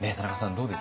どうですか？